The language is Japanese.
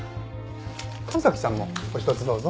神崎さんもお一つどうぞ。